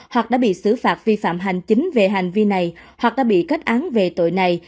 hoặc đã bị xử phạt vi phạm hành chính về hành vi này hoặc đã bị kết án về tội này